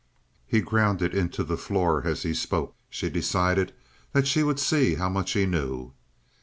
He ground it into the floor as he spoke. She decided that she would see how much he knew.